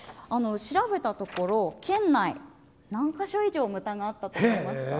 調べたところ、県内何か所以上牟田があったと思いますか？